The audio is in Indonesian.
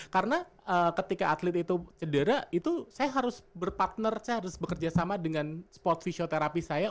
karena ketika atlet itu cedera itu saya harus berpartner saya harus bekerja sama dengan sport fisioterapi saya